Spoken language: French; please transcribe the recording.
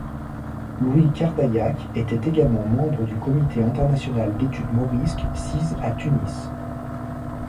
Louis Cardaillac était également membre du Comité international d'études morisques sis à Tunis.